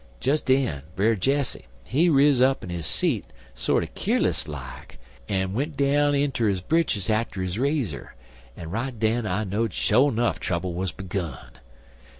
Des den, Brer Jesse, he riz up in his seat, sorter keerless like, an' went down inter his britches atter his razer, an' right den I know'd sho' nuff trubble wuz begun.